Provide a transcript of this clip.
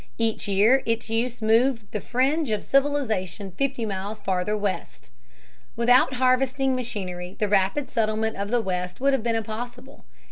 Each year its use moved the fringe of civilization fifty miles farther west. Without harvesting machinery the rapid settlement of the West would have been impossible.